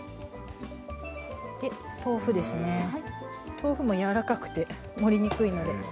豆腐もやわらかくて盛りにくいので。